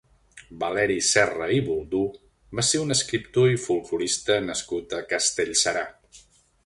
Valeri Serra i Boldú va ser un escriptor i folklorista nascut a Castellserà.